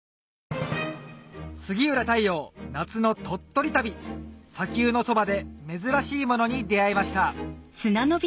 杉浦太陽夏の鳥取旅砂丘のそばで珍しいものに出合いました